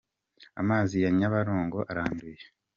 Amazi ya Nyabarongo aranduye.